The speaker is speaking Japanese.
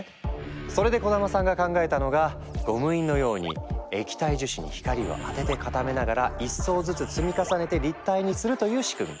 それで小玉さんが考えたのがゴム印のように液体樹脂に光を当てて固めながら１層ずつ積み重ねて立体にするという仕組み。